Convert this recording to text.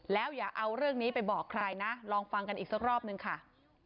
แล้วอย่าเอาเรื่องนี้ไปบอกใครนะลองฟังกันอีกสักรอบนึงค่ะ